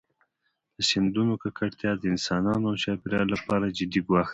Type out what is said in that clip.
د سیندونو ککړتیا د انسانانو او چاپېریال لپاره جدي ګواښ دی.